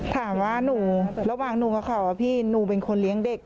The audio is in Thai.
ถามว่าระหว่างหนูกับเขาพี่หนูเป็นคนเลี้ยงเด็ก